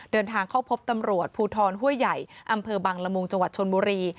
เดินทางเข้าพบตำรวจภูทรห้วยใหญ่อำเภอบังละมุงจังหวัดชนบุรี